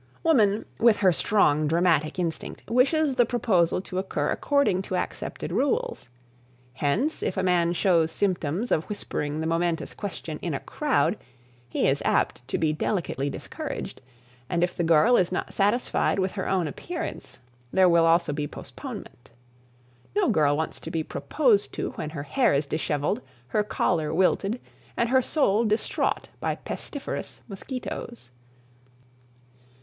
Woman, with her strong dramatic instinct, wishes the proposal to occur according to accepted rules. Hence, if a man shows symptoms of whispering the momentous question in a crowd, he is apt to be delicately discouraged, and if the girl is not satisfied with her own appearance, there will also be postponement. No girl wants to be proposed to when her hair is dishevelled, her collar wilted, and her soul distraught by pestiferous mosquitoes.